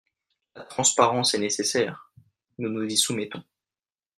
La transparence est nécessaire, nous nous y soumettons.